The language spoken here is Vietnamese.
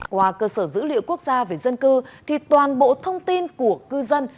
qua cơ sở dữ liệu quốc gia về dân cư thì toàn bộ thông tin của cư dân